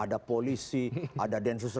ada polisi ada densus delapan puluh delapan